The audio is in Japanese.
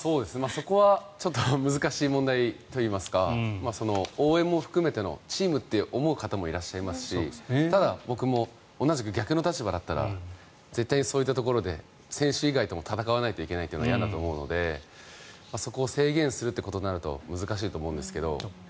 そこはちょっと難しい問題といいますか応援も含めてのチームって思う方もいらっしゃいますしただ、僕も同じく逆の立場だったら絶対にそういったところで選手以外とも戦わなきゃいけないのは嫌だと思うのでそこを制限するということになると難しいと思うんですけど。